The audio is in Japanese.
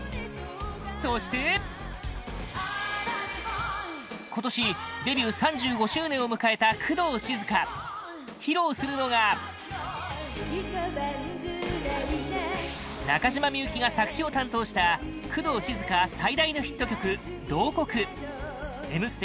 そして今年デビュー３５周年を迎えた工藤静香披露するのが中島みゆきが作詞を担当した工藤静香最大のヒット曲「慟哭」「Ｍステ」